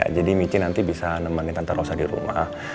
ya jadi michi nanti bisa nemenin tante rosa di rumah